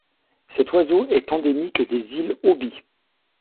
Cet oiseau est endémique des îles Obi.